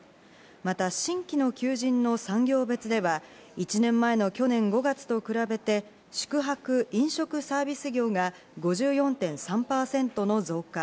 また新規の求人の産業別では、１年前の去年５月と比べて、宿泊・飲食サービス業が５４．３％の増加。